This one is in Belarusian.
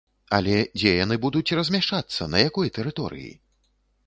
Але, дзе яны будуць размяшчацца, на якой тэрыторыі?